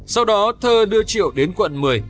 sau đó thơ đưa triệu đến quận lê thị riêng